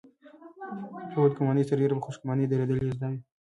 په بدګماني سربېره په خوشګماني درېدل يې زده وي.